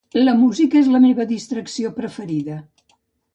La música és la meva distracció preferida.